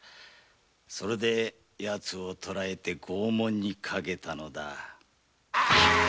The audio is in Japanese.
それでヤツを捕えて拷問にかけたのだ。